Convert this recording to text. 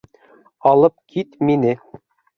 - Алып кит мине!